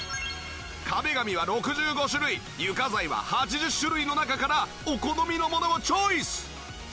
壁紙は６５種類床材は８０種類の中からお好みのものをチョイス！